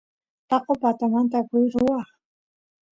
patay taqomanta akush ruwaq